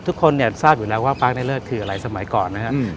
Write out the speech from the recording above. ทุกคนเนี่ยทราบอยู่แล้วว่าปาร์คในเลิศคืออะไรสมัยก่อนนะครับ